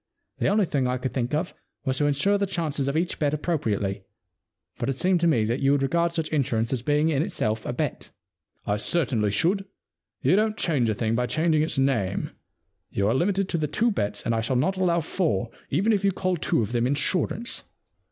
The only thing I could think of was to insure the chances of each bet appropriately, but it seemed to me that you would regard such insurance as being in itself a bet.' * I certainly should. You don't change 69 The Problem Club a thing by changing its name. You are limited to the two bets, and I shall not allow four even if you call two of them insurance.